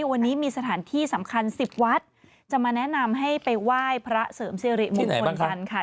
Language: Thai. วันนี้มีสถานที่สำคัญ๑๐วัดจะมาแนะนำให้ไปไหว้พระเสริมสิริมงคลกันค่ะ